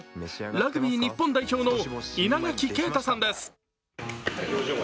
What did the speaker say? ラグビー日本代表の稲垣啓太さんです。